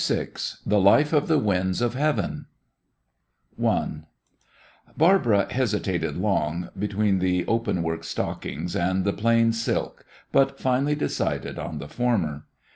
VI THE LIFE OF THE WINDS OF HEAVEN I Barbara hesitated long between the open work stockings and the plain silk, but finally decided on the former.